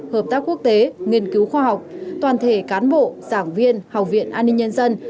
hợp tác quốc tế nghiên cứu khoa học toàn thể cán bộ giảng viên học viện an ninh nhân dân